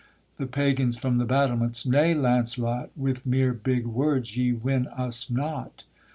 THE PAGANS, from the battlements. Nay, Launcelot, With mere big words ye win us not.